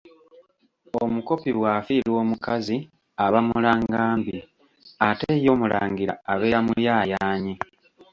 Omukopi bw'afiirwa omukazi aba mulangambi ate ye omulangira abeera muyayaanyi.